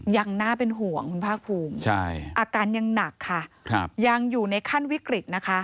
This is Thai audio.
ยังน่าเป็นห่วงคุณภาคภูมิอาการยังหนักค่ะยังอยู่ในขั้นวิกฤตนะคะ